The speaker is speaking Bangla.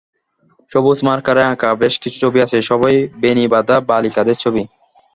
সবুজ মার্কারে আঁকা বেশকিছু ছবি আছে, সবই বেণি বাঁধা বালিকাদের ছবি।